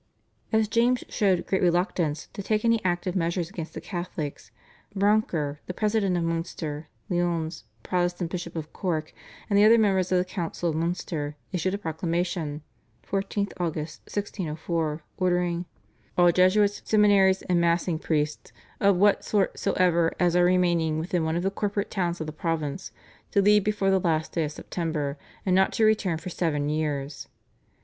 As James showed great reluctance to take any active measures against the Catholics, Brouncker, the President of Munster, Lyons, Protestant Bishop of Cork, and the other members of the Council of Munster issued a proclamation (14 Aug. 1604) ordering "all Jesuits, seminaries, and massing priests of what sort soever as are remaining within one of the corporate towns of the province" to leave before the last day of September, and not to return for seven years.